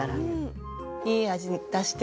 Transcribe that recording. いい味出して。